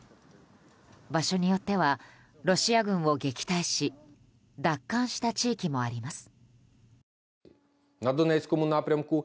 場所によってはロシア軍を撃退し奪還した地域もあります。